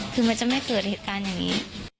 คือมันจะไม่เกิดเหตุการณ์อย่างนี้